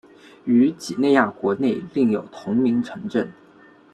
于几内亚国内另有同名城镇。